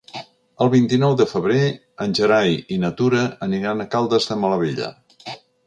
El vint-i-nou de febrer en Gerai i na Tura aniran a Caldes de Malavella.